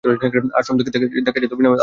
আশ্রম থেকে দেখা যেত বিনা বাধায়।